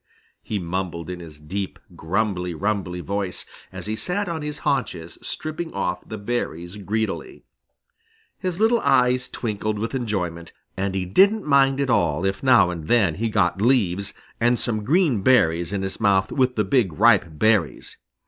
he mumbled in his deep grumbly rumbly voice, as he sat on his haunches stripping off the berries greedily. His little eyes twinkled with enjoyment, and he didn't mind at all if now and then he got leaves, and some green berries in his mouth with the big ripe berries.